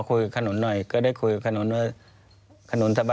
ควิทยาลัยเชียร์สวัสดีครับ